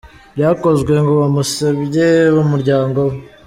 byakozwe ngo bamusebye we numurynago we.